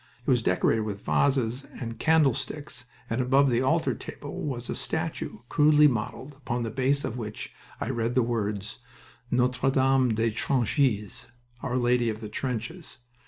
It was decorated with vases and candlesticks, and above the altar table was a statue, crudely modeled, upon the base of which I read the words Notre Dame des Tranchees ("Our Lady of the Trenches").